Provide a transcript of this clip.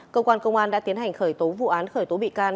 cơ quan công an đã tiến hành khởi tố vụ án khởi tố bị can